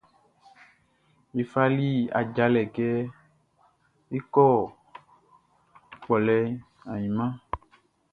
Ye fali ajalɛ kɛ é kɔ́ kpɔlɛ ainman.